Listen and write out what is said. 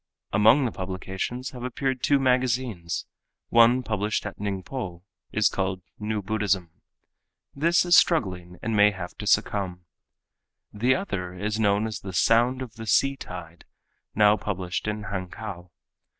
Among the publications have appeared two magazines. One published at Ningpo, is called "New Buddhism." This is struggling and may have to succumb. The other is known as the "Sound of the Sea Tide," now published in Hankow.